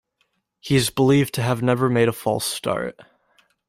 He is believed to have never made a false start.